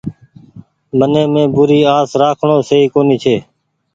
من مين بوري آس رآکڻو سئي ڪونيٚ ڇي۔